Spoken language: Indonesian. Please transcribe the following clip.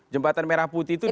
jembatan merah putih itu